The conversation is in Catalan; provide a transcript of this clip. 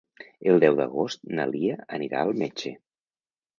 El deu d'agost na Lia anirà al metge.